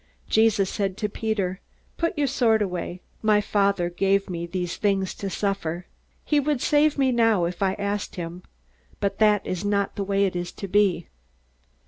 Jesus said to Peter: "Put your sword away. My Father gave me these things to suffer. He would save me now if I asked him. But that is not the way it is to be."